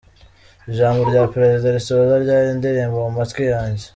Ijambo rya Perezida risoza ryari indirimbo mu matwi yanjye.